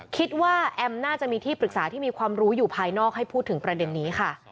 แอมน่าจะมีที่ปรึกษาที่มีความรู้อยู่ภายนอกให้พูดถึงประเด็นนี้ค่ะ